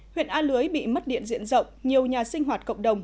huyện a lưới bị mất điện diện rộng nhiều nhà sinh hoạt cộng đồng